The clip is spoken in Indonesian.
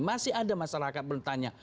masih ada masyarakat bertanya